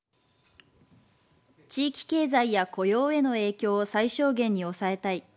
地域経済や雇用への影響を最小限に抑えたい。